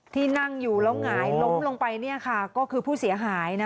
ที่นั่งอยู่แล้วหงายล้มลงไปเนี่ยค่ะก็คือผู้เสียหายนะ